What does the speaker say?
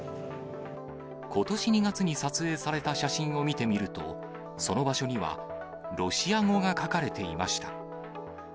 ことし２月に撮影された写真を見てみると、その場所には、ロシア語が書かれていました。